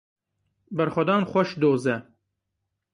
Berxwedan xweş doz e.